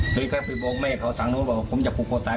แล้วก็ไปบอกแม่เขาทางนู้นว่าผมอยากพูดโคตรตาย